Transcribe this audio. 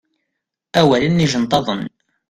Awalen ijenṭaḍen.